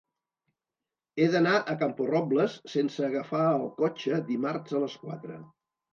He d'anar a Camporrobles sense agafar el cotxe dimarts a les quatre.